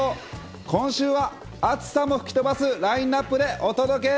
今週は暑さも吹き飛ばすラインナップでお届け。